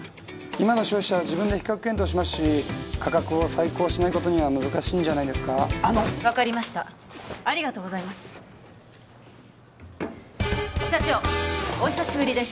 今の消費者は自分で比較検討しますし価格を再考しないことには難しいんじゃないんですかあの分かりましたありがとうございます社長お久しぶりです